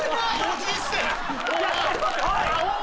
おい！